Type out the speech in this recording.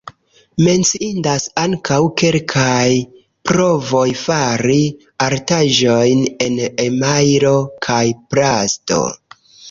Menciindas ankaŭ kelkaj provoj fari artaĵojn en emajlo kaj plasto.